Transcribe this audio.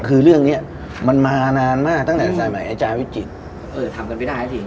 คือเรื่องเนี้ยมันมานานมากตั้งแต่สายใหม่อาจารย์วิจิตรเออถามกันไปได้สิ